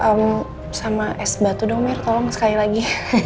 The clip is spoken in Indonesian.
hai sama es batu dong mir tolong sekali lagi